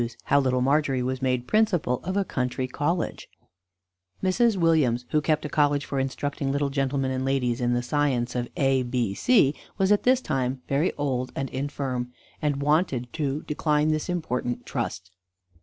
IX HOW LITTLE MARGERY WAS MADE PRINCIPAL OF A COUNTRY COLLEGE Mrs. Williams, who kept a college for instructing little gentlemen and ladies in the science of A, B, C, was at this time very old and infirm, and wanted to decline this important trust.